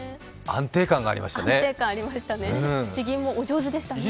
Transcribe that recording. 安定感がありましたね。